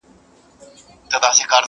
شګوفې وغوړیږي ښکلي سي سبا ته نه وي،